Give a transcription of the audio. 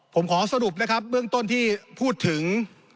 ผมขอสรุปนะครับเบื้องต้นที่พูดถึง